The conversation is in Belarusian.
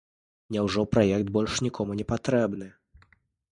Няўжо праект больш нікому не патрэбны?